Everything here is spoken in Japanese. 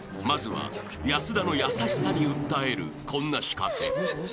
［まずは安田の優しさに訴えるこんな仕掛け］